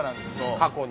過去に？